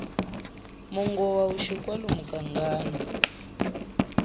Mungowa ushikwalumuka ngandu.